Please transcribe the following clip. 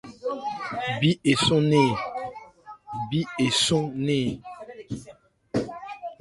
Bí esɔ́n nɛɛn ɛ ?